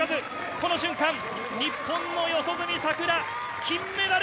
この瞬間、日本の四十住さくら、金メダル！